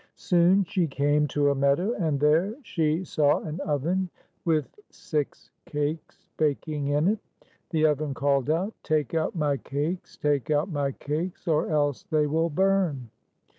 Soon she came to a meadow, and there she saw an oven with six cakes baking in it. The oven called out, "Take out my cakes! Take out my cakes, or else they will burn